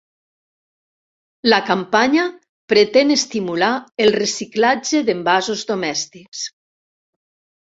La campanya pretén estimular el reciclatge d'envasos domèstics.